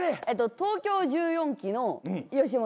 東京１４期の吉本。